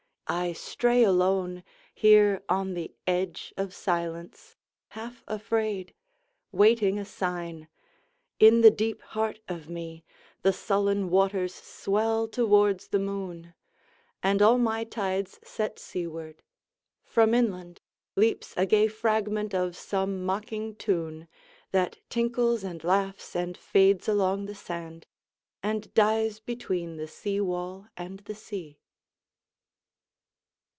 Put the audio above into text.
I stray aloneHere on the edge of silence, half afraid, Waiting a sign. In the deep heart of meThe sullen waters swell towards the moon, And all my tides set seaward. From inlandLeaps a gay fragment of some mocking tune, That tinkles and laughs and fades along the sand, And dies between the seawall and the sea.